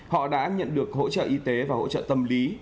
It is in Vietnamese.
họ đã nhận được hỗ trợ y tế và hỗ trợ tâm lý